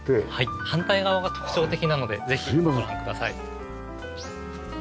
反対側が特徴的なのでぜひご覧ください。